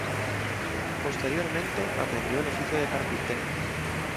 Posteriormente, aprendió el oficio de carpintero.